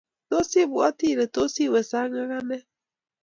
tos ibwoti Ile tos iwe sang ak ane?